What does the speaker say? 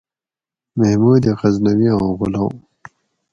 محمود غزنوی آں غلام